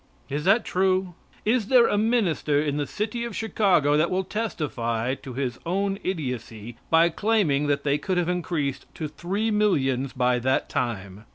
Is that true? Is there a minister in the city of Chicago that will testify to his own idiocy by claiming that they could have increased to three millions by that time?